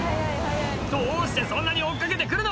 「どうしてそんなに追っ掛けて来るの！」